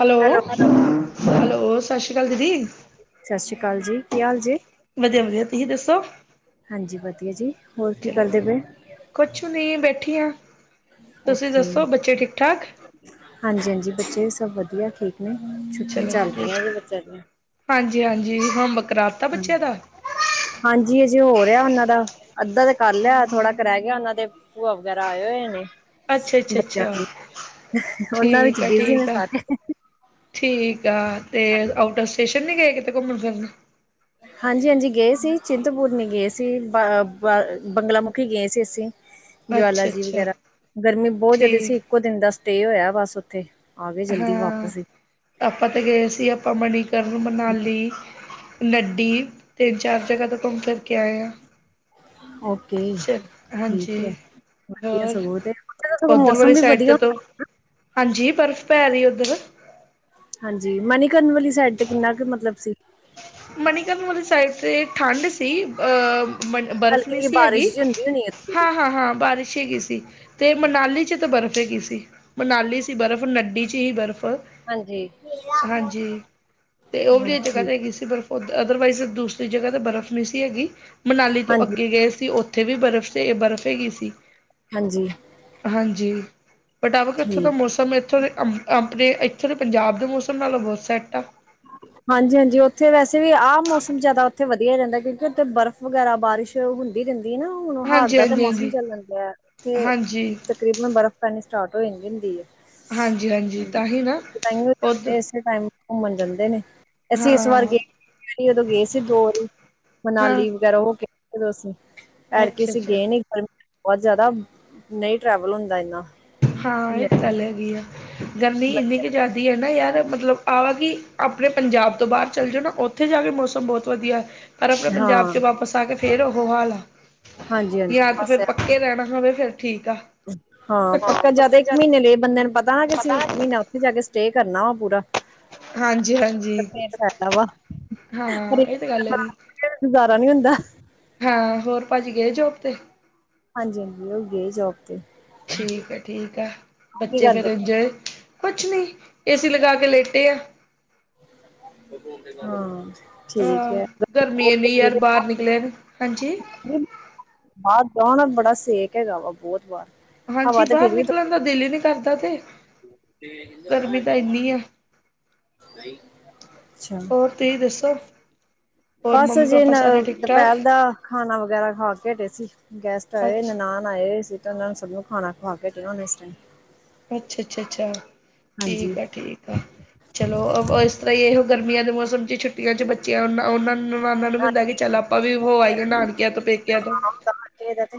Hello, hello ਸਤਿ ਸ਼੍ਰੀ ਅਕਾਲ ਦੀਦੀ। ਸਤਿ ਸ਼੍ਰੀ ਅਕਾਲ ਜੀ, ਕੀ ਹਾਲ ਜੀ ਵਧੀਆ ਵਧੀਆ ਤੁਸੀਂ ਦੱਸੋ? ਹਾਂਜੀ ਵਧੀਆ ਜੀ, ਹੋਰ ਕੀ ਚਲੋ ਕਰਦੇ ਪਏ? ਕੁਛ ਨਹੀਂ, ਬੈਠੀ ਆਂ। ਬੱਚੇ, ਠਾਕ? ਹਾਂਜੀ ਹਾਂਜੀ ਬੱਚੇ ਸਭ ਵਧੀਆ, ਠੀਕ ਛੁੱਟੀਆਂ ਚਲੋ ਚੱਲ ਰਹਿਆਂ ਹਜੇ ਬੱਚਿਆਂ ਦੀਆਂ। ਹਾਂਜੀ ਹਾਂਜੀ ਹੋਮ ਵੱਰਕ, ਰਾਤ ਹਾਂਜੀ। ਹਾਂਜੀ ਅਜੇ ਹੋ ਰਿਹਾ ਉਹਨਾਂ ਦਾ। ਅੱਧਾ ਤੇ ਕਰ ਲਿਆ ਥੋੜਾ ਕੁ ਰਹ ਗਿਆ ਉਹਨਾਂ ਦੇ ਭੂਆ ਵਗੈਰਾ ਆਏ ਹੋਏ ਨੇ। ਅੱਛਾ ਅੱਛਾ ਬੱਚਿਆਂ ਅੱਛਾ ਦੀ, ਉਹਨਾਂ ਵਿੱਚ ਠੀਕ ਆ ਬਿਜੀ ਨੇ ਠੀਕ ਆ। ਸਾਰੇ ਠੀਕ ਆ ਤੇ ਆਊਟ ਫ ਸਟੇਸ਼ਨ ਨੀ ਗਏ, ਕਿਤੇ ਘੁੰਮਣ ਫਿਰ ਹਾਂਜੀ -ਹਾਂਜੀ ਗਏ ਸੀ, ਚਿੰਤਪੂਰਨੀ ਗਏ ਸੀ, ਬ ਬ ਬੰਗਲਾਮੁਖੀ ਗਏ ਸੀ ਅਸੀਂ ਜਵਾਲਾ ਅੱਛਾ ਜੀ ਅੱਛਾ ਵਗੈਰਾ, ਗਰਮੀ ਬਹੁਤ ਜਿਆਦਾ ਸੀ। ਠੀਕ ਇੱਕੋ ਦਿਨ ਦਾ ਸਟੇ ਹੋਇਆ ਬੱਸ ਉੱਥੇ ਆ ਗਏ ਜਲਦੀ ਹਾਂ, ਵਾਪਸ ਹੀ ਆਪਾਂ ਤੇ ਗਏ ਸੀ ਆਪਾਂ ਮਨੀਕਰਨ, ਮਨਾਲੀ ਨੱਡੀ ਤਿੰਨ, ਚਾਰ ਜਗ੍ਹਾ ਤੋਂ ਘੁੰਮ ਫਿਰ ਕੇ ਆਏ ਆ ਅ [unintelligible] ਚਲ ਠੀਕ ਹੈ ਹਾਂਜੀ ਵਧੀਆ ਹੋਰ ਸਗੋਂ, ਤੇ ਸਗੋਂ ਉੱਧਰ ਮੌਸਮ ਵਾਲੀ ਵੀ ਸਾਈਡ ਵਧੀਆ ਤੇ ਤੋਂ ਹੁੰਦਾ। ਹਾਂਜੀ ਬਰਫ਼ ਪੈ ਰਹੀ ਉੱਧਰ ਹਾਂਜੀ। ਮਨੀਕਰਨ ਵਾਲੀ ਸਾਈਡ ਤੇ ਕਿੰਨਾ ਕੁ ਮਤਲਬ ਸੀ। ਮਨੀਕਰਨ ਵਾਲੀ ਸਾਈਡ ਤੇ ਠੰਡ ਸੀ, ਅਹ ਬਰਫ਼ ਹਲਕੀ ਨਹੀਂ ਜਿਹੀ ਸੀ ਹੈਗੀ ਬਾਰਿਸ਼ ਜਿਹੀ ਹੁੰਦੀ ਹੋਣੀ ਹੈ ਹਾਂ ਹਾਂ -ਹਾਂ ਬਾਰਿਸ਼ ਹੈਗੀ ਸੀ, ਤੇ ਮਨਾਲੀ ਚ ਤਾਂ ਬਰਫ਼ ਹੈਗੀ ਸੀ। ਮਨਾਲੀ ਸੀ ਬਰਫ਼, ਨਡੀ 'ਚ ਹੀ ਬਰਫ਼ ਹਾਂਜੀ। ਹਾਂਜੀ ਤੇ ਉਹ ਵੀ ਇਹ ਜਗ੍ਹਾ ਹਾਂਜੀ ਤੇ ਹੈਗੀ ਸੀ ਬਰਫ਼, ਪਰ ਅਦਰਵਾਈਜ਼ ਦੂਸ ਕਈ ਜਗ੍ਹਾ ਤੇ ਬਰਫ਼ ਨਹੀਂ ਸੀ ਹੈਗੀ, ਮਨਾਲੀ ਤੋਂ ਹਾਂਜੀ ਅੱਗੇ ਗਏ ਸੀ ਉੱਥੇ ਵੀ ਬਰਫ਼ ਸੀ ਬਰਫ਼ ਹੈਗੀ ਸੀ। ਹਾਂਜੀ ਹਾਂਜੀ ਬਟ ਇੱਥੋਂ ਦਾ ਠੀਕ ਮੌਸਮ ਇੱਥੋਂ ਦੇ ਅ ਆਪਣੇ ਇੱਥੇ ਦੇ ਪੰਜਾਬ ਦੇ ਮੌਸਮ ਨਾਲੋਂ ਬਹੁਤ ਸੈਟ ਆ। ਹਾਂਜੀ ਹਾਂਜੀ, ਉੱਥੇ ਵੈਸੇ ਵੀ ਆਹ ਮੌਸਮ ਜਿਆਦਾ ਉੱਥੇ ਵਧੀਆ ਹੀ ਰਹਿੰਦਾ, ਕਿਉਂਕਿ ਉੱਥੇ ਬਰਫ਼ ਵਗੈਰਾ ਬਾਰਿਸ਼ ਹੁੰਦੀ ਰਹਿੰਦੀ ਹੈ ਨਾ। ਹੁਣ ਹਾੜ ਹਾਂਜੀ ਦਾ ਤਾਂ ਹਾਂਜੀ ਮੌਸਮ ਹਾਂਜੀ ਚੱਲਾ ਜਾਂਦਾ ਹੈ, ਉੱਥੇ ਹਾਂਜੀ, ਤਕਰੀਬਨ ਬਰਫ਼ ਪੈਣੀ ਸਟਾਰਟ ਹੋ ਜਾਂਦੀ ਹੁੰਦੀ ਹੈ। ਹਾਂਜੀ ਹਾਂਜੀ ਤਾਂ ਹੀ ਨਾ ਉਦ ਐਸੇ ਟਾਇਮ ਘੁੰਮਣ ਜਾਂਦੇ ਨੇ। ਅਸੀਂ ਇਸ ਵਾਰ ਹਾਂ, ਗਏ ਉਦੋਂ ਗਏ ਸੀ ਦੋ ਵਾਰੀ, ਹਾਂ ਮਨਾਲੀ ਵਗੈਰਾ ਹੋ ਕੇ ਉਦੋਂ ਅਸੀ ਐਦਕੀ ਅੱਛਾ, ਅਸੀਂ ਅੱਛਾ ਗਏ ਨੀ, ਗਰਮੀ ਬਹੁਤ ਜ਼ਿਆਦਾ ਨਹੀਂ ਟਰੈਵਲ ਹੁੰਦਾ ਇਨਾ ਹਾਂ ਇਹ ਤੇ ਗੱਲ ਹੈਗੀ ਆ, ਗਰਮੀ ਇੰਨੀ ਕੁ ਬੱਚਿਆਂ ਦੇ ਜ਼ਿਆਦਾ ਨਾ ਯਾਰ, ਮਤਲਬ ਆ ਕਿ ਆਪਣੇ ਪੰਜਾਬ ਤੋਂ ਬਾਹਰ ਚੱਲ ਜਾਓ ਨਾ, ਉੱਥੇ ਜਾ ਕੇ ਮੌਸਮ ਬਹੁਤ ਵਧੀਆ ਪਰ ਅਪਣੇ ਪੰਜਾਬ ਚ ਹਾਂ ਵਾਪਿਸ ਆ ਕੇ ਫੇਰ ਉਹੋ ਹਾਲ ਆ, ਹਾਂਜੀ ਹਾਂਜੀ ਯਾਂ ਤੇ ਬਸ ਫਿਰ ਇਹੋ ਇਹ ਰਹਿਣਾ ਪਵੇ ਫ਼ਿਰ ਠੀਕ ਆ। ਹਾਂ ਪੱਕਾ ਜਾਂ ਤੇ ਪੱਕਣ ਇੱਕ ਜਾਦੀ ਮਹੀਨੇ ਲਈ ਬੰਦੇ ਨੂੰ ਪਤਾ, ਨਾ ਕਿ ਅਸੀ ਇਕ ਮਹੀਨਾ ਉੱਥੇ ਜਾ ਕੇ ਸਟੇਅ ਕਰਨਾ ਵਾ ਪੂਰਾ ਹਾਂਜੀ ਹਾਂਜੀ, ਫੇਰ ਫਾਇਦਾ ਵਾ ਹਾਂ ਇਹ ਤੇ ਗੱਲ ਹੈਗੀ। ਫੇਰ ਗੁਜ਼ਾਰਾ ਨੀ ਹੁੰਦਾ। ਹਾਂ ਹੋਰ ਭਾਜੀ ਗਏ ਜੋਬ ਤੇ। ਹਾਂਜੀ ਹਾਂਜੀ, ਉਹ ਗਏ ਜੋਬ ਤੇ। ਠੀਕ ਏ ਠੀਕ ਆ। ਉਹ ਕੀ ਬੱਚੇ ਫੇਰ ਕਰਦੇ ਇੰਜੋਏ, ਕੁਛ ਨੀ ਏ ਸੀ ਲਗਾ ਕੇ ਲੇਟੇ ਆ। ਹਾਂ ਠੀਕ ਅਹ ਹੈ ਗਰਮੀ ਇੰਨੀ ਯਾਰ ਬਾਹਰ ਨਿਕਲਿਆ ਨਹੀ, ਹਾਂਜੀ ਬਾਹਰ ਜਾੳ ਨਾ, ਬੜਾ ਸੇਕ ਹੈਗਾ ਵਾ ਬਹੁਤ ਬਾਹਰ ਹਾਂਜੀ, ਹਵਾ ਤੇ ਬਾਹਰ ਫਿਰ ਵੀ ਨਿਕਲਣ ਥੋ- ਦਾ ਦਿਲ ਹੀ ਨੀ ਕਰਦਾ ਤੇ ਗਰਮੀ ਤਾਂ ਇੰਨੀ ਆ ਅੱਛਾ। ਤੁਈ ਦੱਸੋ? ਹੋਰ ਬਸ ਮੰਮੀ ਅਜੇ ਪਾਪਾ ਨ ਸਾਰੇ ਠੀਕ ਠਾਕ ਦੁਪਹਿਰ ਦਾ ਖਾਣਾ ਵਗੈਰਾ ਖਾ ਕੇ ਹਟੇ ਸੀ। ਗੈਸਟ ਆਏ ਅੱਛ ਨਨਾਣ। ਆਏ ਹੋਏ ਸੀ ਤੇ ਉਹਨਾਂ ਨੂੰ ਸਭ ਨੂੰ ਖਾਣਾ ਖਵਾ ਕੇ ਹਟੀ ਅ ਹੁਣ ਇਸ ਟਾਇਮ। ਅੱਛਾ-ਅੱਛਾ-ਅੱਛਾ, ਠੀਕ ਹਾਂਜੀ ਆ-ਠੀਕ ਆ। ਚਲੋ ਇਸ ਤਰ੍ਹਾਂ ਹੀ ਇਹ ਗਰਮੀਆਂ ਦੇ ਮੌਸਮ 'ਚ ਛੁੱਟੀਆਂ ਚ ਬੱਚਿਆਂ ਉਹ ਉਹਨਾਂ ਨੂੰ ਨਾਨਾਂ ਨੂੰ ਵੀ ਹੁੰਦਾ ਕਿ ਚੱਲ ਆਪ ਆਪਾਂ ਵੀ ਹੋ ਆਈਏ ਨਾਨਕਿਆਂ ਤੋਂ ਪੇਕਿਆਂ ਤੋਂ। ਏਦਾ ਤੇ।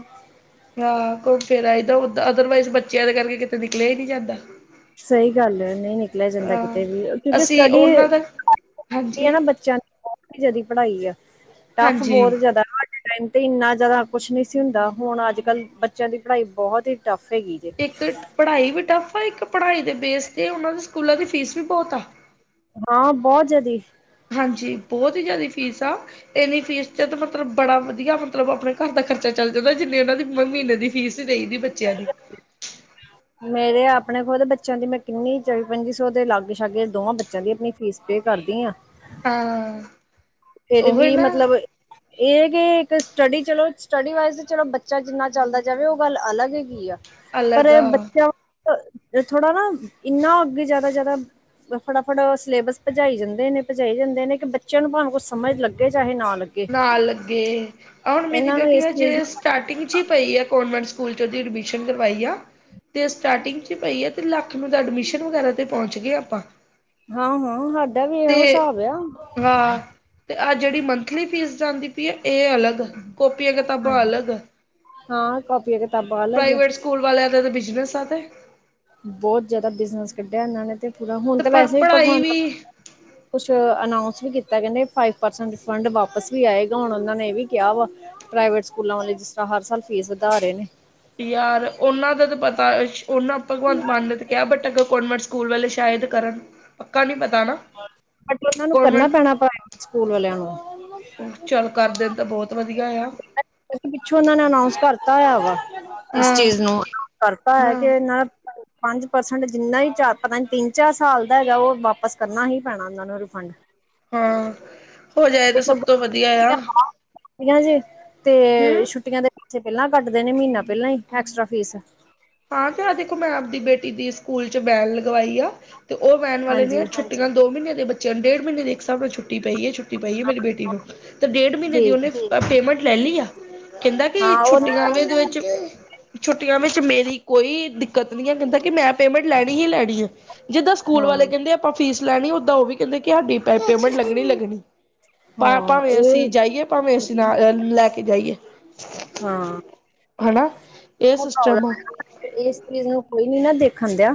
ਹਾਂ ਘੁੰਮ ਫੇਰ ਆਏਦਾ ਓਦਾ ਅਦਰਵਾਈਜ਼ ਬੱਚਿਆਂ ਦੇ ਕਰਕੇ ਕਿਤੇ ਨਿਕਲਿਆ ਹੀ ਨੀ ਜਾਂਦਾ। ਸਹੀ ਗੱਲ ਐ ਨਈ ਨਿਕਲਿਆ ਜਾਂਦਾ ਹਾਂ ਕਿਤੇ ਵੀ ਕਿਉਂਕਿ ਅਸੀਂ ਸਟਡੀ ਉਹਨਾਂ ਦਾ ਏ ਨਾ ਹਾਂਜੀ ਬੱਚਿਆਂ ਦੀ ਬਹੁਤ ਔਖੀ ਪੜ੍ਹਾਈ ਆ, ਟਫ ਹਾਂਜੀ ਬਹੁਤ ਜਿਆਦਾ ਨਾ ਟਾਇਮ ਤੇ ਇੰਨਾ ਜ਼ਿਆਦਾ ਕੁਛ ਨਹੀਂ ਸੀ ਹੁੰਦਾ। ਹੁਣ ਅੱਜ-ਕੱਲ੍ਹ ਬੱਚਿਆਂ ਦੀ ਪੜ੍ਹਾਈ ਬਹੁਤ ਹੀ ਟੱਫ ਹੈਗੀ। ਜੇ ਇੱਕ ਪੜ੍ਹਾਈ ਵੀ ਟੱਫ ਆ, ਇੱਕ ਪੜ੍ਹਾਈ ਦੇ ਬੇਸ ਤੇ ਉਹਨਾਂ ਦੇ ਸਕੂਲਾਂ ਦੀ ਫੀਸ ਵੀ ਬਹੁਤ ਆ। ਹਾਂ ਬਹੁਤ ਜ਼ਿਆਦੀ ਹਾਂਜ ਬੋਤ ਹੀ ਜ਼ਿਆਦੀ ਫੀਸ ਆ। ਇੰਨੀ ਫੀਸ ਚ ਮਤਲਬ ਬੜਾ ਵਧੀਆ ਮਤਲਬ ਅਪਣੇ ਘਰ ਦਾ ਖਰਚਾ ਚੱਲ ਜਾਂਦਾ, ਜਿੰਨੀ ਇਹਨਾਂ ਦੀ ਮਹੀਨੇ ਦੀ ਫੀਸ ਹੀ ਦਈ ਦੀ ਬੱਚਿਆਂ ਦੀ। [inaudible] ਮੇਰੇ ਆਪਣੇ ਖੁਦ ਬੱਚਿਆਂ ਦੀ ਮੈਂ ਕਿੰਨੀ ਚੌਵੀ-ਪੰਜੀ ਸੌ ਤੇ ਲਗੇ ਛਾਗੇ ਦੋਵਾਂ ਬੱਚੇਆਂ ਤੇ ਮੈਂ ਵੀ ਆਪਣੀ ਫੀਸ ਪੇ ਕਰਦੀ ਆਂ। ਹਾਂ। ਫੇਰ ਉਹੀ ਵੀ ਨਾ ਮਤਲਬ ਇਹ ਕੇ ਏਕ ਸਟੱਡੀ ਚਲੋ ਸਟੱਡੀ ਵਾਈਜ਼ ਚਲੋ ਬੱਚਾ ਜਿੰਨਾ ਚੱਲਦਾ ਜਾਵੇ, ‌ਉਹ ਗੱਲ ਅਲੱਗ ਹੈਗੀ ਆ। ਪਰ ਅਲੱਗ ਆ ਬੱਚਾ ਥੋੜਾ ਨਾ ਇਨਾ ਅੱਗੇ ਜਿਆਦਾ-ਜਿਆਦਾ ਫਟਾਫਟ ਸਲੇਬਸ ਭਜਾਈ ਜਾਂਦੇ ਨੇ, ‌ਭਜਾਈ ਜਾਂਦੇ ਨੇ ਕਿ ਬੱਚਿਆਂ ਨੂੰ ਪਾਵੇ ਕੁਛ ਸਮਝ ਲਗੇ ਚਾਹੇ ਨਾ ਲਗੇ। ਨਾ ਲਗੇ। ਹੁਣ ਮੇਰੀ ਨੂੰ ਬੇਟੀ ਇਸ ਚੀਜ਼ ਹਜੇ ਦਾ ਸਟਾਰਟਿੰਗ ਤੇ ਚ ਹੀ ਪਈ ਆ ਕਾਨਵੈਂਟ ਸਕੂਲ ਚ ਉਹਦੀ ਐਡਮਿਸ਼ਨ ਕਰਵਾਈ ਆ। ਤੇ ਸਟਾਰਟਿੰਗ ਚ ਪਈ ਏ ਤੇ ਲੱਖ ਨੂੰ ਤਾਂ ਐਡਮਿਸ਼ਨ ਵਗੈਰਾ ਤੇ ਪਹੁੰਚ ਗਏ ਆਪਾਂ। ਹਾਂ-ਹਾਂ ਸਾਡਾ ਵੀ ਤੇ ਇਹੋ ਹਿਸਾਬ ਆ। ਹਾਂ ਤੇ ਆਹ ਜਿਹੜੀ ਮੰਥਲੀ ਫੀਸ ਜਾਂਦੀ ਪਈ ਏ ਇਹ ਅਲੱਗ ਕੋਪੀਆਂ ਕਿਤਾਬਾ ਹਾਂਜੀ ਅਲਗ, ਹਾਂ ਕਾਪੀਆਂ ਕਿਤਾਬਾਂ ਅਲੱਗ ਆ, ਪ੍ਰਾਈਵੇਟ ਸ ਸਕੂਲ ਵਾਲਿਆਂ ਦਾ ਤੇ ਬਿਜ਼ਨਸ ਆ ਤੇ। ਬਹੁਤ ਜ਼ਿਆਦਾ ਬਿਜਨਸ ਕੱਢਿਆ ਇਹਨਾਂ ਨੇ ਤੇ ਪੂਰਾ ਹੁਣ ਤੇ ਵੈਸੇ ਵੀ ਭਗਵੰਤ ਕੁਛ ਅਨਾਊਂਸ ਵੀ ਕੀਤਾ। ਕਹਿੰਦੇ ਫਾਈਵ ਪਰਸੈਂਟ ਰਿਫੰਡ ਵਾਪਸ ਵੀ ਆਏਗਾ ਹੁਣ ਉਹਨਾਂ ਨੇ ਇਹ ਵੀ ਕਿਆ ਵਾ। ਪ੍ਰਾਈਵੇਟ ਸਕੂਲਾਂ ਵਾਲੇ ਜਿਸ ਤਰ੍ਹਾਂ ਹਰ ਸਾਲ ਫੀਸ ਵਧਾ ਰਹੇ ਨੇ। ਯਾਰ ਉਹਨਾਂ ਦਾ ਤਾਂ ਪਤਾ ਸ਼ ਉਹਨਾਂ ਭਗਵੰਤ ਮਾਨ ਨੇ ਤੇ ਕਿਆ ਬਟ ਅਗੋ ਕੋਨਵੇਂਟ ਸਕੂਲ ਵਲੇ ਸ਼ਾਇਦ ਕਰਨ, ਪੱਕਾ ਨੀ ਪਤਾ। ਨਾ ਅਗੇ ਉਹਨਾ ਨੂੰ ਕਰਨਾ ਕਨਵੈਂਟ ਪੈਣਾ। ਪ੍ਰਾਈਵੇਟ ਸਕੂਲ ਵਾਲਿਆਂ ਨੂੰ। ਚੱਲ ਕਰ ਦੇਣ ਤਾਂ ਬਹੁਤ ਵਧੀਆ ਆ। ਕਿਉਂਕਿ ਪਿੱਛੋਂ ਉਹਨਾਂ ਨੇ ਅਨਾਊਸ ਕਰਤਾ ਹੋਆ ਵਾ, ਇਸ ਹਾਂ, ਚੀਜ਼ ਨੂੰ ਕਰਤਾ ਹੋਇਆ ਕਿ ਹਾਂ, ਇਹਨਾਂ ਪੰਜ ਪਰਸੈਂਟ ਜਿੰਨਾ ਈ ਚਾ ਪਤਾ ਤਿੰਨ ਚਾਰ ਸਾਲ ਦਾ ਹੈਗਾ। ਉਹ ਵਾਪਿਸ ਕਰਨਾ ਹੀ ਪੈਣਾ ਉਹਨਾਂ ਨੂੰ ਰਿਫੰਡ। ਹਾਂ, ਹੋ ਜਾਏ ਤਾਂ ਸਭ ਤੋਂ ਵਧੀਆ ਆ। ਤਿਆ ਜੇ ਤੇ ਹਮ ਛੁੱਟੀਆਂ ਦੇ ਪਿੱਛੇ ਪਹਿਲਾਂ ਕੱਟ ਦੇ ਨੇ ਮਹੀਨਾ ਪਹਿਲਾਂ ਹੀ ਐਕਸਟਰਾ ਫੀਸ। ਹਾਂ ਤੇ ਅਹ ਦੇਖੋ ਮੈਂ ਆਪਦੀ ਬੇਟੀ ਦੀ ਸਕੂਲ ਚ ਬੈਨ ਲਗਵਾਈ ਆ ਤੇ ਉਹ ਵੈਨ ਵਾਲੇ ਨੇ ਹਾਂਜੀ ਛੁਟ ਅੱਜ-ਕੱਲ ਦੇ ਦੋ ਮਹੀਨੇ ਦੇ ਬੱਚਿਆਂ ਨੂੰ ਡੇਢ ਮਹੀਨੇ ਇੱਕ ਹਿਸਾਬ ਨਾਲ ਛੁੱਟੀ ਪਈ ਐ ਛੁੱਟ ਟੀ ਪਈ ਆ ਮੇਰੀ ਬੇਟੀ ਨੂੰ ਤੇ ਡੇਢ ਮਹੀਨੇ ਦੀ ਠੀਕ ਉਹਨੇ ਪੇਮੈਂਟ ਲੈ ਲੀ ਆ। ਕਹਿੰਦਾ ਹਾਂ ਕਿ ਉਹਨਾਂ ਦਾ ਛੁੱਟੀਆਂ ਦੇ ਵਿਚ, ਛੁੱਟੀਆਂ ਵਿੱਚ ਮੇਰੀ ਕੋਈ ਦਿੱਕਤ ਨੀ ਆ ਕਹਿੰਦਾ ਕਿ ਮੈਂ ਪੇਮੈਂਟ ਲੈਣੀ ਹੀ ਲੈਣੀ ਆ। ਜਿੱਦਾਂ ਸਕੂਲ ਵਾਲੇ ਹਾਂ ਕਹਿੰਦੇ ਆ। ਆਪਾਂ ਫੀਸ ਲੈਣੀ, ਓਦਾ ਉਹ ਵੀ ਕਹਿੰਦੇ ਕਿ ਸਾਡੀ ਪ ਪੇਮੈਂਟ ਲੱਗਣੀ-ਲੱਗਣੀ। ਭਾ ਹਾਂ ਭਾਵੇਂ ਅਸੀਂ ਇਹ ਜਾਈਏ, ਭਾਵੇਂ ਅਸੀਂ ਪਤਾ ਨੀ ਨਾ ਲ ਲੈ ਕੇ ਜਾਈਏ। ਹਾਂ ਹਨ ਇਹ ਉਹ ਸਿਸਟਮ ਪ੍ਰੋਬਲਮ ਆ ਹੈ ਇਸ ਚੀਜ਼ ਨੂੰ ਕੋਈ ਨੀ ਨਾ ਦੇਖਣ ਦਿਆਂ।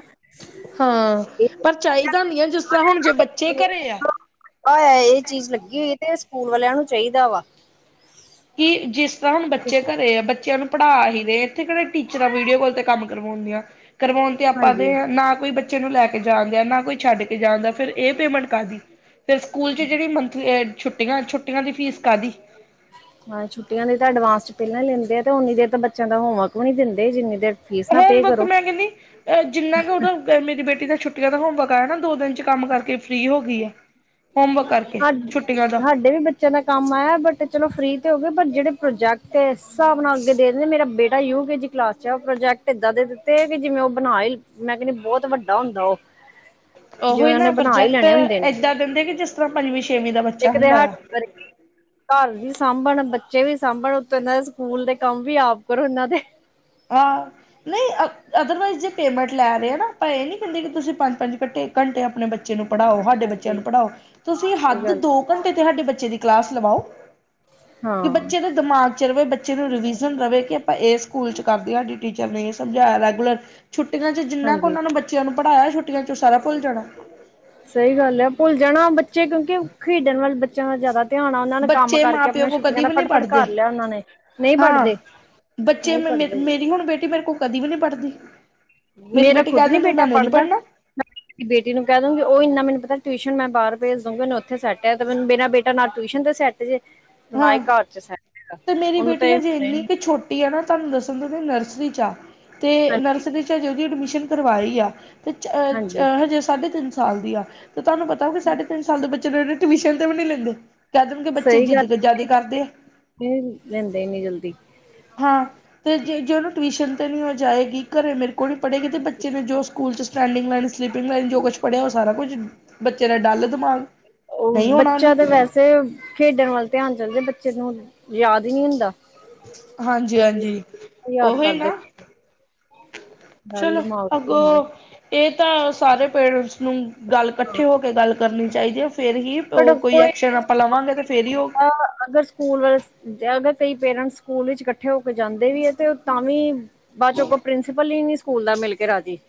ਹਾਂ ਪਰ ਚਾਹੀਦਾ ਨ ਆ ਜਿਸ ਤਰ੍ਹਾਂ ਹੁਣ ਜੇ ਬੱਚੇ ਘਰੇ ਆ ਆ ਇਹ ਚੀਜ਼ ਲੱਗੀ ਹੋਈ ਤੇ ਸਕੂਲ ਵਾਲਿਆਂ ਨੂੰ ਚਾਹੀਦਾ ਵਾ। ਕਿ, ਜਿਸ ਤਰ੍ਹਾਂ ਹੁਣ ਬੱਚੇ ਘਰੇ ਆ ਬੱਚਿਆਂ ਨੂੰ ਪੜ੍ਹਾ ਹੀ ਦੇ, ਇੱਥੇ ਕਿਹੜੇ ਟੀਚਰਾਂ ਵੀਡੀਓ ਕਲ ਤੇ ਕੰਮ ਕਰਵਾਉਂ ਦੀਆਂ ਕਰਵਾਉਣ ਤੇ ਆਪਾਂ ਦੇ ਹਾਂਜੀ ਹ ਨਾ ਕੋਈ ਬ ਬੱਚੇ ਨੂੰ ਲੈ ਕੇ ਜਾਣ ਦ ਨਾ ਕੋਈ ਛੱਡ ਕੇ ਜਾਣ ਦਾ ਫਿਰ ਇਹ ਪੇਮੈਂਟ ਕਾਹਦੀ ਫਿਰ ਸਕੂਲ ਚ ਜਿਹੜੀ ਮੰਥਲੀ ਛੁੱਟੀਆਂ, ਛੁੱਟੀਆਂ ਦੀ ਫੀਸ ਕਾਹਦੀ। ਹਾਂ, ਛੁਟੀਆਂ ਦੇ ਤਾਂ ਐਡਵਾਂਸ ਚ ਪਹਿਲਾਂ ਹੀ ਲੈਂਦੇ ਆ। ਤੇ ਉਓਨੀ ਦੇਰ ਤਾਂ ਬੱਚਿਆਂ ਦਾ ਹੋਮਵਰਕ ਵੀ ਨਹੀਂ ਦਿੰਦੇ ਜਿੰਨੀ ਦੇਰ ਫੀਸ ਨਾ ਪੇ ਹੋਮਵਰਕ ਕਰੋ ਮੈਂ ਕਹਿੰਦੀ, ਅਹ ਜਿੰਨਾ ਕੁ ਉਹਦਾ ਪਰ ਮੇਰੀ ਬੇਟੀ ਦਾ ਛੁੱਟੀਆਂ ਦਾ ਹੋਮਵਰਕ ਆਇਆ ਨਾ ਦੋ ਦਿਨ ਚ ਕੰਮ ਕਰਕੇ ਫ੍ਰੀ ਹੋ ਗੀ ਆ। ਹੋਮਵਰਕ ਕਰਕੇ, ਛੁੱਟੀਆਂ ਦਾ। ਬਚਿਆ ਕੰਮ ਆਇਆ, ਬਟ ਚਲੋ ਫ੍ਰਰੀ ਤੇ ਹੋ ਗਏ ਪਰ ਜਿਹੜੇ ਪ੍ਰੋਜੈਕਟ ਏ ਇਸ ਹਿਸਾਬ ਨਾਲ ਅੱਗੇ ਦੇ ਦਿੰਦੇ ਮੇਰਾ ਬੇਟਾ ਯੂਕੇਜੀ ਕਲਾਸ ਚ, ਉਹ ਪ੍ਰੋਜੈਕਟ ਏਦਾਂ ਦੇ ਦਿੱਤੇ ਕਿ ਜਿਵੇਂ ਉਹ ਬਣਾ ਈ ਮੈਂ ਕਹਿੰਦੀ ਬਹੁਤ ਵੱਡਾ ਹੁੰਦਾ ਉਹ। ਉਹੀ ਜਿਵੇਂ ਨਾ ਉਹਨੇ ਬਣਾ ਹੀ ਪ੍ਰੋਜੈਕਟ ਲੈਣੇ ਹੁੰਦੇ ਨੇ ਏਦਾਂ ਦਿੰਦੇ, ਕਿ ਜਿਸ ਤਰ੍ਹਾਂ ਪੰਜਵੀਂ ਛੇਵੀਂ ਦਾ ਬੱਚ ਇੱਕ ਤੇ ਹੈਲਪ ਕਰਨੀ। ਘਰ ਵੀ ਸਾਂਭਣ, ਬੱਚੇ ਵੀ ਸਾਂਭਣ ਉਤੋਂ ਇਹਨਾਂ ਦੇ ਸਕੂਲ ਦੇ ਕੰਮ ਵੀ ਆਪ ਕਰੋ ਇਹਨਾਂ ਦੇ। ਆ। ਨਈ ਅਦਰਵਾਈਜ਼ ਜੇ ਪੇਮੈਂਟ ਲੈ ਰਹੇ ਆ ਨਾ, ਅਪਾ ਇਹ ਨੀ ਕਹਿੰਦੇ ਕਿ ਤੁਸੀਂ ਪੰਜ-ਪੰਜ ਘੰਟੇ, ਏਕ ਘੰਟੇ ਆਪਣੇੇ ਬਚ ਬੱਚੇ ਨੂੰ ਪੜ੍ਹਾਓ ਹਾਡੇ ਬੱਚਿਆਂ ਹਾਂਜੀ ਨੂੰ ਪੜ੍ਹਾਓ। ਤੁਸੀਂ ਸਹੀ ਹੱਦ ਗੱਲ ਦੋ ਘੰਟੇ ਤੇ ਸਾਡੇ ਬੱਚੇ ਦੀ ਕਲਾਸ ਲਵਾਓ। ਕਿ ਹਾਂ ਬੱਚੇ ਨੂੰ ਦਿਮਾਗ ਚ ਰਹੇ। ਬੱਚੇ ਨੂੰ ਰਿਵਿਜ਼ਨ ਰਹੇ ਕਿ ਆਪਾਂ ਇਹ ਸਕੂਲ ਚ। ਕਰਦੇ ਟੀਚਰ ਨੇ ਇਹ ਸਮਝਾਇਆ ਰੈਗੂਲਰ ਛੁੱਟੀਆਂ ਚ ਜਿੰਨਾ ਕੁ ਹਾਂਜੀ ਉਹਨਾ ਨੂੰ ਬੱਚਿਆਂ ਨੂੰ ਪੜ੍ਹਾਇਆ ਛੁੱਟ ਚਚ ਸਾਰਾ ਭੁੱਲ ਜਾਣਾ। ਸਹੀ ਗੱਲ ਹੈ। ਭੁੱਲ ਜਾਣਾ ਬੱਚੇ, ਕਿਉਂਕਿ ਖੇਡਣ ਵੱਲ ਬੱਚਿਆਂ ਦਾ ਜ਼ਿਆਦਾ ਧਿਆਣਾ ਉਹਨਾਂ ਨੇ ਕੰਮ ਬੱਚੇ ਮਾਂ ਕਰਕੇ, ਪਿਓ ਆਪਣੀਆਂ ਕੋਲ ਛੁੱਟੀਆਂ ਕਦੀ ਦਾ ਵੀ ਨਹੀਂ ਫਟਾਫਟ ਪੜ੍ਹਦੇ ਕਰ ਲਿਆ ਉਹਨਾਂ ਨੇ ਨਹੀਂ ਪੜਦੇ ਬੱਚੇੇ ਮੇਰੀ ਹੁਣ ਬੇਟੀ ਮੇਰੇ ਕੋਲ ਕਦੀ ਵੀ ਨਹੀਂੀ ਪੜ੍ਹਦੀ। ਮੇਰੀ ਮੇਰਾ ਬੇਟੀ ਖੁਦ ਕਹਿ ਨੀ ਦਿੰਦੀ ਬੇਟਾ ਮੈਨੇ ਨਹੀਂ ਪੜ੍ਹਦਾ। ਪੜ੍ਹਨਾ ਬੇਟੀ ਨੂੰ ਕਹਿ ਦੂੰਗੀ, ਉਹ ਇੰਨਾ ਮੈਨੂੰ ਪਤਾ ਟਿਊਸ਼ਨ ਮੈਂ ਬਾਹਰ ਭੇਜ ਦੂੰਗੀ ਮਨੂੰ ਉੱਥੇ ਸੈਟ ਹੈ। ਤੇ ਮੇਰਾ ਬੇਟਾ ਨਾ ਟਿਊਸ਼ਨ ਤੇ ਸੈਟ ਜੇ। ਹੀ ਹਾਂ ਘਰ ਚ ਸ ਤੇ ਮੇਰੀ ਬੇਟੀ ਹਜੇ, ਇੰਨੀ ਕੁ ਛੋਟੀ ਆ ਨਾ ਤੁਹਾਨੂੰ ਦੱਸਣ ਦਦੇ ਨਰਸਰੀ ਚ ਆ ਤੇ ਹਾਂਜੀ ਨਰਸਰੀ ਹਜੇ, ਉਹਦੀ ਐਡਮਿਸ਼ਨ ਕਰਵਾਈ ਆ--ਅਤੇ ਹਾਂਜੀ ਹਜੇ ਸਾਢੇ ਤਿੰਨ ਸਾਲ ਦੀ ਆ ਤੇ ਤੁਹਾਨੂੰ ਪਤਾ ਕਿ ਸਾਢੇ ਤਿੰਨ ਸਾਲ ਦੇ ਬੱਚੇ ਟਿਊਸ਼ਨ ਤੇ ਵੀ ਨਹੀਂੀ ਲੈਂਦੇ ਕਹਿ ਦੇਣਗੇ ਬੱਚੇ ਜਿੱਦ ਜ਼ਿਆਦਾ ਕਰਦੇ ਆ ਤੇ ਨਹੀ, ਲੈਂਦੇ ਇਨੀ ਜਲਦੀ ਹਾਂ ਅਤੇ ਜੇ ਜੇ ਉਹਨੂੰ ਟਿਊਸ਼ਨ 'ਤੇ ਨਹੀਂ ਹੋ ਜਾਏਗੀ ਘਰ ਮੇਰੇ ਕੋਲ ਨਹੀਂ ਪੜ੍ਹੇਗੀ ਅਤੇ ਬੱਚੇ ਨੂੰ ਜੋ ਸਕੂਲ ਕ' ਸਟੈਂਡਿੰਗ ਲਾਈਨ, ਸਲਪਿੰਗ ਲਾਈਨ ਜੋ ਕੁਛ ਪੜਿਆ ਉਹ ਸਾਰ ਕੁਛ ਬੱਚੇ ਦਾ ਡੱਲ ਦਿਮਾਗ ਨਹੀਂ ਹੋਣਾ ਉਹਨੂੰ ਫ ਖੇਡਣ ਵੱਲ ਧਿਆਨ ਚੱਲਦੇ ਬੱਚੇ ਨੂੰ ਯਾਦ ਹੀ ਨਹੀਂ ਹੁੰਦਾ ਹਾਂਜੀ, ਹਾਂਜੀ ਯਾਦ ਓਹੀ ਕਰਦੇ ਨਾ ਗੱਲ ਚਲੋ ਦਿਮਾਗ ਤੇ ਹੁੰਦੇ ਅੱਗੇ ਇਹ ਤਾਂ ਸਾਰੇ ਪੇਰੈਂਟਸ ਨੂੰ ਗੱਲ ਇਕੱਠੇ ਹੋ ਕੇ ਗੱਲ ਕਰਨੀ ਚਾਹੀਦੀ ਹੈ। ਫੇਿਰ ਹੀ ਬ ਉਹ ਕੋਈ ਐਕਸ਼ਨ ਆਪਾਂ ਲਵਾਂਗੇ ਤੇ ਫੇਰ ਹੀ ਉਹ ਅਗਰ ਸਕੂਲ ਵਾਲੇ ਅਗਰ ਕਈ ਪੇਰੈਂਟਸ ਸਕੂਲ ਵਿੱਚ ਇਕੱਠੇ ਹੋ ਕੇ ਜਾਂਦੇ ਵੀ ਹੈ ਤੇ ਤਾਂ ਵੀ ਬਾਅਦ ਚੋਂ ਕੋ ਪ੍ਰਿੰਸੀਪਲ ਹੀ ਨੀ ਸਕੂਲ ਦਾ ਮਿਲ ਕੇ ਰਾਜ਼ੀ।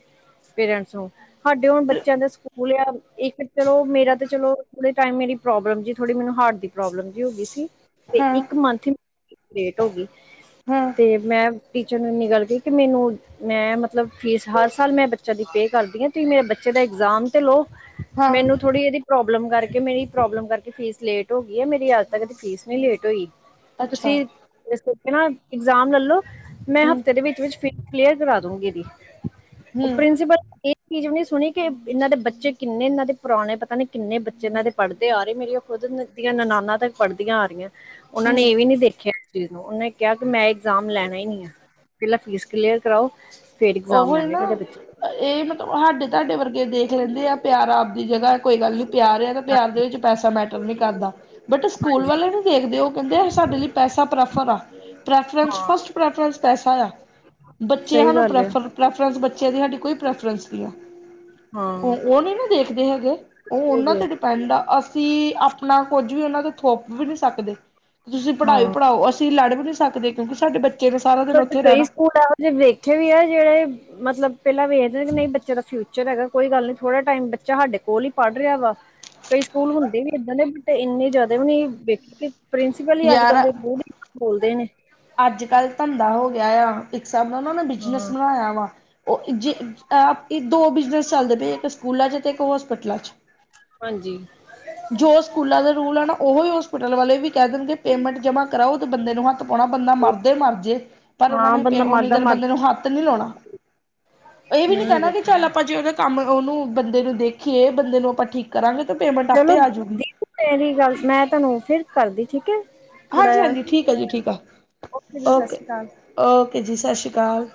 ਪੇਰੈਂਟਸ ਨੂੰ ਸਾਡੇ ਹੁਣ ਬੱਚਿਆਂ ਦਾ ਸਕੂਲ ਆ ਇੱਕ ਚਲੋ ਮੇਰਾ ਤਾਂ ਚਲੋ ਥੋੜੇ ਟਾਈਮ ਮੇਰੀ ਪ੍ਰੋਬਲਮ ਜੀ ਥੋੜੀ ਮੈਨੂੰ ਹਾਰਟ ਦੀ ਪ੍ਰੋਬਲਮ ਜੀ ਹੋ ਗਈ ਸੀ ਤੇ ਹਾਂ ਇੱਕ ਮੰਥ ਲੇਟ ਹੋ ਗਈ। ਹਾਂ। ਅਤੇ ਮੈਂ ਟੀਚਰ ਨੂੰ ਇੰਨੀ ਗੱਲ ਕਹੀ ਕਿ ਮੈਨੂੰ ਮੈਂ ਮਤਲਬ ਫੀਸ ਹਰ ਸਾਲ ਮੈਂ ਬੱਚਿਆਂ ਦੀ ਪੇ ਕਰਦੀ ਹਾਂ। ਤੁਸੀਂ ਮੇਰੇ ਬੱਚੇ ਦਾ ਇਗਜ਼ਾਮ ਤੇ ਲਓ ਹਾਂ ਮੈਨੂੰ ਥੋੜੀ ਏਹਦੀ ਪ੍ਰੋਬਲਮ ਕਾਰ ਕੇ ਮੇਰੀ ਪ੍ਰੋਬਲਮ ਕਾਰਕੇ ਫੀਸ ਲੇਟ ਹੋ ਗਈ ਏ, ਮੇਰੀ ਆਜ ਤ ਕਦੀ ਫੀਸ ਨੀ ਲੇਟ ਹੋਈ, ਅੱਛਾ ਤੂਸੀ ਇਸ ਕਾਰਕੇ ਨਾ ਇਗਜ਼ਾਮ ਲੈਲੋ, ਮੈਂ ਹੂੰ ਹਫ਼ਤੇ ਦੇ ਵਿਚ- ਵਿਚ ਫੀਸ ਕਲੀਅਰ ਕਰਾ ਦੂਂਗੀ ਏਦੀ। ਓ ਹੂੰ ਪ੍ਰਿੰਸੀਪਲ ਏਕ ਚੀਜ ਵੀ ਨੀ ਸੁਣੀ ਕਿ, ਏਨਾਂ ਦੇ ਬੱਚੇ ਕਿੰਨੇ ਏਨਾਂ ਦੇ ਪੁਰਾਣੇ, ਪਤਾ ਨੀ ਕਿੰਨੇ ਬ ਜਿਨਾਂ ਦੇ ਪੜਦੇ ਆ ਰੇ। ਮੇਰੀਆਂ ਖੁਦ ਦੀਆਂ ਨਨਾਨਾ ਤਕ ਪੜਦੀਆਂ ਆ ਰੀਆਂ। ਓਨਾਂ ਨੇ ਹੂੰ ਏ ਵੀ ਨੀ ਦੇਖੇਆ ਉਨੇ ਕੇਆ ਕਿ ਮੈਂ ਇਗਜ਼ਾਮ ਲੈਣਾ ਹੀ ਨੀ ਆ, ਪਹਿਲਾਂ ਫੀਸ ਕਲੀਅਰ ਕਰਾਓ ਫੇਰ ਇਗਜ਼ਾਮ ਲੈਣਗੇ ਤੂਆਡੇ ਬੱਚੇ ਏ ਮਤਲਬ ਹਾਡੇ ਤੂਆਡੇ ਵਰਗੇ ਦੇਖ ਲੈਂਦੇ ਆ ਪਿਆਰ ਆਪਦੀ ਜਗਾ। ਕੋਈ ਗੱਲ ਨੀ ਪਿਆਰ ਆ ਤੇ, ਪਿਆਰ ਹਾਂਜੀ ਦੇ ਵਿਚ ਪੈਸਾ ਮੈਟਰ ਨੀ ਕਰਦਾ। ਬਟ ਏ ਸਕੂਲ ਹਾਂਜੀ ਵਾਲੇ ਨੇ ਦੇਖਦੇ ਉਹ ਕਹਿੰਦੇ ਸਾਡੇ ਲਈ ਪੈਸਾ ਪ੍ਰੈਫਰ ਆ। ਪ੍ਰੈਫਰਸ ਹਾਂ ਫਸਟ ਪ੍ਰੈਫਰੈਂਸ ਪੈਸਾ ਆ ਬੱਚਿਆਂ ਸਹੀ ਨੂੰ ਗੱਲ ਪ੍ਰੈ ਹੈ ਪ੍ਰੈਫਰੈਂਸ ਬੱਚਿਆਂ ਦੀ ਸਾਡੀ ਕੋਈ ਪ੍ਰੈਫਰੈਂਸ ਨਹੀਂ ਆ? ਹਾਂ ਉਹ ਉਹ ਨਹੀਂ ਨਾ ਦੇਖਦੇ ਹੈਗੇ ਉਹ ਇਹ ਉਹਨਾਂ ਵੀ ਹੈ। ਤੇ ਡੀ ਪੈਂਡ ਆ। ਅਸੀਂ ਆਪਣਾ ਕੁੱਝ ਵੀ ਉਹਨਾਂ ਤੋਂ ਥੋਪ ਵੀ ਨਹੀਂ ਸਕਦੇ ਤੁਸੀਂ ਪੜ੍ਹਓ ਹਾਂ ਪੜਾਓ ਅਸੀਂ ਸੀ ਲੜ ਵੀ ਨਹੀਂ ਸਕਦੇ ਕਿਉਂਕਿ ਸਾਡੇ ਬੱਚੇ ਨੇ ਸਾਰਾ ਦਿਨ ਤੁਹਾਡੇ ਉੱਥੇ ਕਈ ਰਹਿਣਾ ਸਕੂਲ ਆ ਉਹ ਜੇ ਦੇਖੇ ਵੀ ਆ ਜਿਹੜਾ ਮਤਲਬ ਪਹਿਲਾਂ ਵੇਖਦੇ ਕਿ ਨਹੀਂ ਬੱਚੇ ਦਾ ਫਿਊਚਰ ਹੈਗਾ। ਕੋਈ ਗੱਲ ਨਹੀਂ ਥੋੜਾ ਟਾਈਮ ਬੱਚਾ ਹਾਡੇ ਕੋਲ ਹੀ ਪੜ੍ਹ ਰਿਹਾ ਵਾ। ਕਈ ਸਕੂਲ ਹੁੰਦੇ ਵੀ ਏਦਾਂ ਦੇ ਬਟ ਇੰਨੇ ਜ਼ਿਆਦਾ ਵੀ ਨੀ ਵੇਖੇ। ਕਿ ਪ੍ਰਿੰਸੀਪਲ ਹੀ ਅੱਜ, ਕੱਲ ਯਾਰ ਦੇ [inaudible] ਹੀ ਬੋਲਦੇ ਨੇ ਅੱਜ ਕੱਲ੍ਹ ਧੰਦਾ ਹੋ ਗਿਆ। ਆ ਇੱਕ ਹਿਸਾਬ ਨਾਲ ਉਹਨਾਂ ਨੇ ਬਿਜਨਸ ਹਾਂ ਬਣਾਇਆ ਵਾ। ਓ ਜੇ ਆ ਦੋ ਬਿਜਨਸ ਚਲਦੇ ਪਏ। ਇਕ ਸਕੂਲਾ 'ਚ ਤੇ, ਇਕ ਹੋਸਪਿਟਲਾਂ ਚ। ਹਾਂਜੀ। ਜੋ ਸਕੂਲਾਂ ਦਾ ਰੂਲ ਐ ਨਾ, ਓਹੋ ਹੋਸਪਿਟਲ ਵਾਲੇ ਵੀ ਕੇਹ ਦੇਨਗੇ, ਪੇਮੈਂਟ ਜਮਾਂ ਕਰਾਓ ਤੇ ਬੰਦੇ ਨੂੰ ਹੱਥ ਭੋਣਾ ਬੰਦਾ ਮਰਦੇ ਮਰਜੇ, ਪਰ ਓਨਾ ਹਾਂ ਨੇ ਬੰਦਾ ਉਨੀ ਮਰਦਾ ਦੇਰ ਮਰ ਬੰਦੇ ਨੂੰ ਹੱਥ ਨੀ ਲੋਣਾ। ਏ ਵੀ ਨੀ ਨਹੀਂ ਕੈਣਾ ਹੈਗਾ ਕਿ ਫਿਰ। ਚੱਲ ਅਪਾਂ ਜੇ ਓਜਾ ਕੰਮ ਓਨੂੰ, ਬੰਦੇ ਨੂੰ ਦੇਖੀਏ, ਬੰਦੇ ਨੂੰ ਆਪਾਂ ਠੀਕ ਕਰਾਂਗੇ ਤੇ ਪੇਮੈਂਟ ਚਲੋ ਆਪੇ ਆਜੂਗੀ ਦੀਪ ਤੇਰੀ ਗ [inaudible] ਮੈਂ ਤੂਆਨੂੰ ਫਿਰ ਕਰਦੀ, ਠੀਕ ਐ? ਹਾਂਜੀ, ਹਾਂਜੀ ਠੀਕ ਆ ਜੀ, ਠੀਕ ਆ ਜੀ ਸਤਿ ਓਕੇ, ਸ਼੍ਰੀ ਅਕਾਲ ਓਕੇ ਜੀ, ਸਸ਼੍ਰੀ ਕਾਲ।